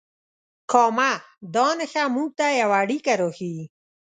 کامه دا نښه موږ ته یوه اړیکه راښیي.